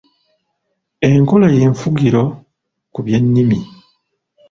Enkola y’enfugiro ku byennimi